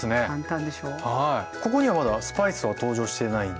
ここにはまだスパイスは登場してないんですね。